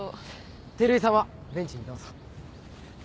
照井さんはベンチにどうぞ。